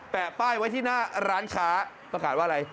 ป้ายไว้ที่หน้าร้านค้าประกาศว่าอะไร